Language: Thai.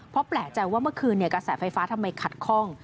เพราะแปลกใจว่าเมื่อคืนกระแสไฟฟ้าทำไมขัดข้อง